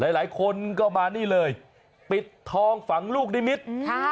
หลายคนก็มานี่เลยปิดทองฝังลูกนิมิตร